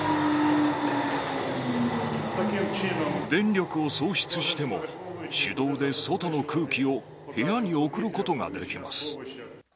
電力を喪失しても、手動で外の空気を部屋に送ることができます。